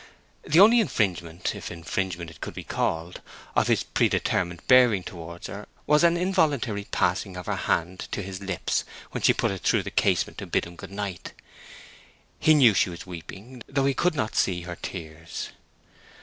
The only infringement—if infringement it could be called—of his predetermined bearing towards her was an involuntary pressing of her hand to his lips when she put it through the casement to bid him good night. He knew she was weeping, though he could not see her tears.